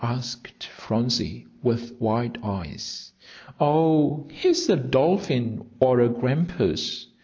asked Phronsie, with wide eyes. "Oh, he's a dolphin or a grampus."